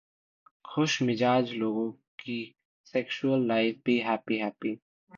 खुशमिजाज लोगों की sexual life भी Happy-Happy